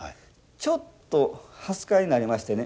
ちょっとはすかいになりましてね